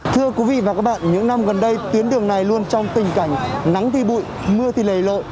thưa quý vị và các bạn những năm gần đây tuyến đường này luôn trong tình cảnh nắng thì bụi mưa thì lầy lội